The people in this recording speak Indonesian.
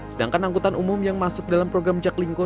sedangkan angkutan umum yang masuk dalam program jaklingko